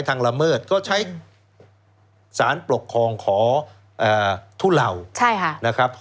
ครั้งแรกที่ไปขอนี้ยก